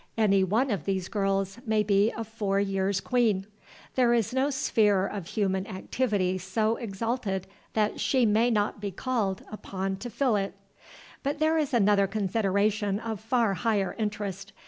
Any one of these girls may be a four years' queen. There is no sphere of human activity so exalted that she may not be called upon to fill it. But there is another consideration of far higher interest.